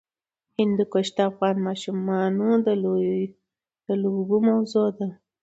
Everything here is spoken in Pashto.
هندوکش د افغان ماشومانو د لوبو موضوع ده.